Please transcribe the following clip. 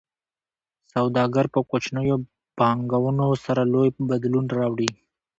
سوداګر په کوچنیو پانګونو سره لوی بدلون راوړي.